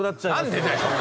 何でだよ！